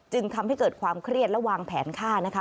จึงทำให้เกิดความเครียดและวางแผนฆ่านะคะ